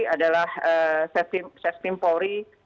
adalah ses pimpori